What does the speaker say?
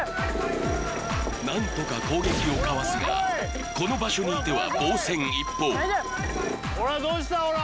何とか攻撃をかわすがこの場所にいては防戦一方ほらどうしたオラ！